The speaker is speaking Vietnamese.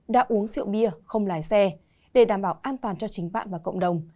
đã uống rượu bia không lái xe để đảm bảo an toàn cho chính bạn và cộng đồng